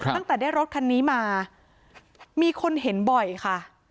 ตั้งแต่ได้รถคันนี้มามีคนเห็นบ่อยค่ะ